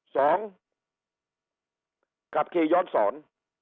สองขับขี่ย้อนสอน